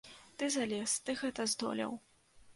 Ты залез, ты гэта здолеў.